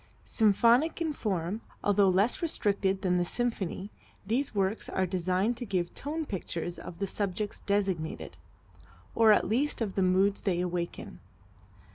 Symphonic in form, although less restricted than the symphony, these works are designed to give tone pictures of the subjects designated, or at least of the moods they awaken.